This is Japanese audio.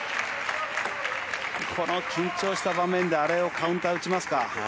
この緊張した場面であれをカウンター打ちますか。